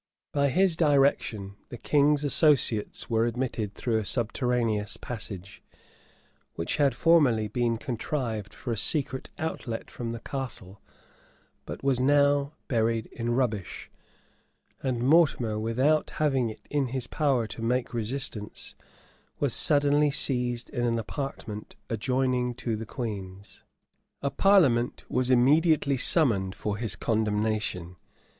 By his direction, the king's associates were admitted through a subterraneous passage, which had formerly been contrived for a secret outlet from the castle, but was now buried in rubbish; and Mortimer, without having it in his power to make resistance, was suddenly seized in an apartment adjoining to the queen's.[*] A parliament was immediately summoned for his condemnation.